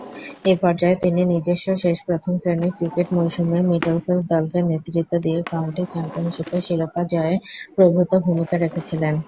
এ পর্যায়ে তিনি নিজস্ব শেষ প্রথম-শ্রেণীর ক্রিকেট মৌসুমে মিডলসেক্স দলকে নেতৃত্ব দিয়ে কাউন্টি চ্যাম্পিয়নশীপের শিরোপা জয়ে প্রভূতঃ ভূমিকা রেখেছিলেন।